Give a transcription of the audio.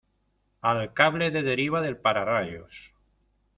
al cable de deriva del para -- rayos